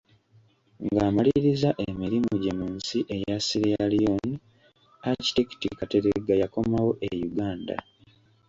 Ng’amalirizza emirimu gye mu nsi eya Sierra Leone, Architect Kateregga yakomawo e Uganda.